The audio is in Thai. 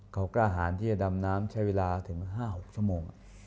เขากล้าหารที่จะดำน้ำใช้เวลาถึง๕๖ชั่วโมง